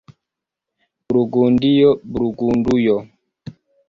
Burgundio, Burgundujo.